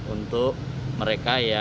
untuk mereka yang berpengalaman